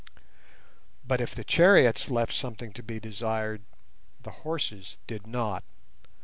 But if the chariots left something to be desired, the horses did not.